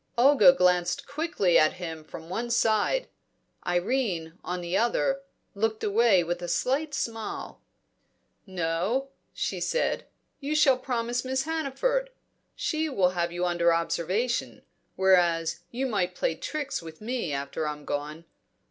Olga glanced quickly at him from one side; Irene, on the other, looked away with a slight smile. "No," she said, "you shall promise Miss Hannaford. She will have you under observation; whereas you might play tricks with me after I'm gone.